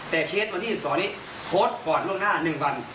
แต่เคสวันที่๑๒นี้โพสต์ก่อนล่วงหน้า๑วัน